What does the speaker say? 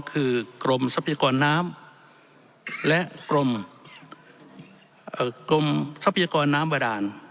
คือกรมทรัพยากรน้ำและกรมทรัพยากรน้ำบาดาน